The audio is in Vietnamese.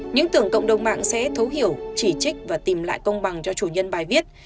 những tưởng cộng đồng mạng sẽ thấu hiểu chỉ trích và tìm lại công bằng cho chủ nhân bài viết